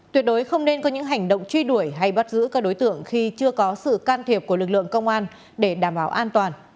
tuyệt đối không nên có những hành động truy đuổi hay bắt giữ các đối tượng khi chưa có sự can thiệp của lực lượng công an để đảm bảo an toàn